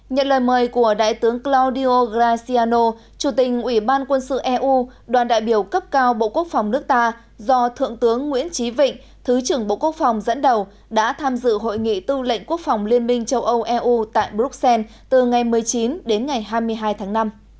nhận lời mời của đại tướng claudio graziano chủ tình ủy ban quân sự eu đoàn đại biểu cấp cao bộ quốc phòng nước ta do thượng tướng nguyễn trí vịnh thứ trưởng bộ quốc phòng dẫn đầu đã tham dự hội nghị tư lệnh quốc phòng liên minh châu âu eu tại bruxelles từ ngày một mươi chín đến ngày hai mươi hai tháng năm